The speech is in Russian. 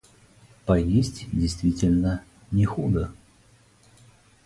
Поесть действительно не худо.